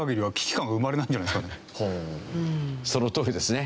そのとおりですね。